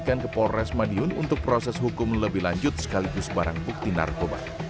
akan ke polres madiun untuk proses hukum lebih lanjut sekaligus barang bukti narkoba